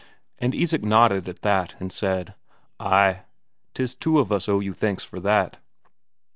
And Isak nodded at that, and said: "Ay, 'tis two of us owe you thanks for that."